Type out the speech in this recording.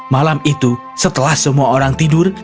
malam itu setelah semua orang tidur